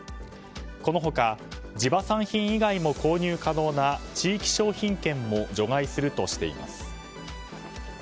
この他、地場産品以外も購入可能な地域商品券も除外するとしています。